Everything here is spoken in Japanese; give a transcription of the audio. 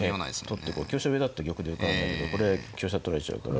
取って香車上だと玉で受かんないけどこれ香車取られちゃうから。